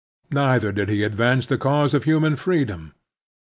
Neither did he advance the cause of htiman freedom.